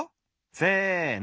せの！